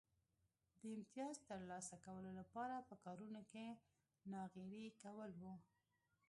د امیتاز ترلاسه کولو لپاره په کارونو کې ناغېړي کول و